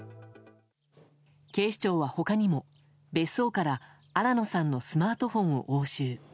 警視庁は、他にも別荘から新野さんのスマートフォンを押収。